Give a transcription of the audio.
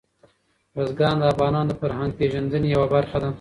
بزګان د افغانانو د فرهنګي پیژندنې یوه برخه ده.